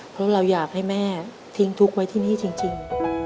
เพราะเราอยากให้แม่ทิ้งทุกข์ไว้ที่นี่จริง